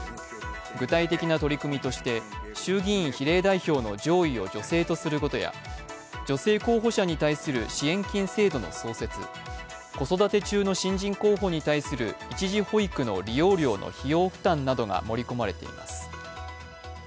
具体的な取り組みとして衆議院比例代表の上位を女性とすることや女性候補者に対する支援金制度の創設、子育て中の新人候補に対する一時保育の利用料の費用負担などが盛り込まれています。